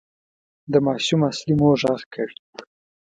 د ماشوم اصلي مور غږ کړ.